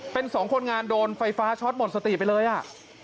เป็นสองคนงานโดนไฟฟ้าช็อตหมดสติไปเลยอ่ะ